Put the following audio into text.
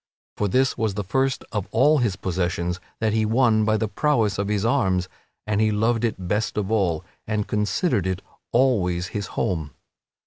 For this was the first of all his possessions that he won by the prowess of his arms and he loved it best of all and considered it always his home.)